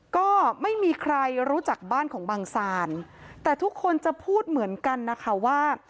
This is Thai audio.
ก็ไม่มีใครรู้จักบ้านของบังซานแต่ทุกคนจะพูดเหมือนกันนะคะว่า